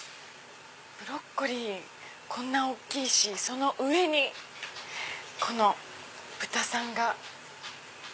ブロッコリーこんな大きいしその上にこの豚さんが。